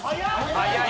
早い。